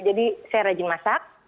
jadi saya rajin masak